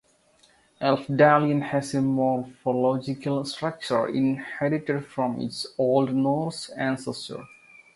Elfdalian has a morphological structure inherited from its Old Norse ancestor.